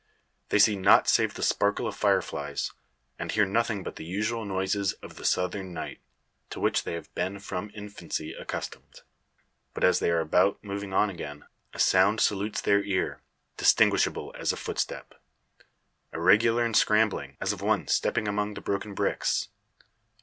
They see nought save the sparkle of fire flies; and hear nothing but the usual noises of the Southern night, to which they have been from infancy accustomed. But as they are about moving on again, a sound salutes their ear distinguishable as a footstep. Irregular and scrambling, as of one stepping among the broken bricks.